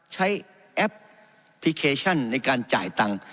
แอปพลิเคชันในการจ่ายตังค์